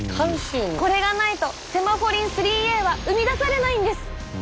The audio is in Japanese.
これがないとセマフォリン３Ａは生み出されないんです。